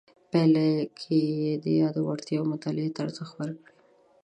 پایله کې یې د یادو وړتیاو مطالعې ته ارزښت ورکړ.